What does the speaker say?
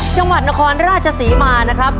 จังหวัดนครราชศรีมานะครับ